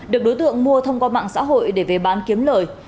được đối tượng mua thông qua mạng xã hội để về bán kiếm lời